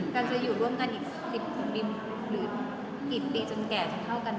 การจะอยู่ร่วมกันอีกสิบหกปีหรือกี่ปีจนแก่เท่ากัน